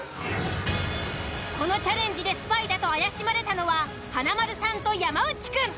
このチャレンジでスパイだと怪しまれたのは華丸さんと山内くん。